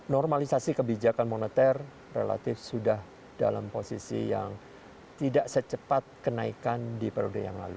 normalisasi kebijakan moneter relatif sudah dalam posisi yang tidak secepat kenaikan di periode yang lalu